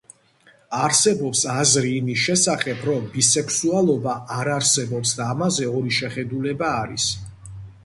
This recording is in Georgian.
არსებობს აზრი იმის შესახებ რომ ბისექსუალობა არ არსებობს და ამაზე ორი შეხედულება არის.